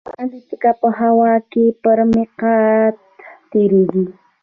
الوتکه په هوا کې پر میقات تېرېږي.